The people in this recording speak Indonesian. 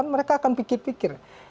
mereka akan pikir pikir